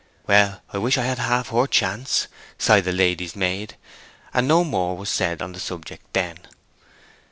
'Well, I wish I had half her chance!' sighed the lady's maid. And no more was said on the subject then.